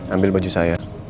ambil baju saya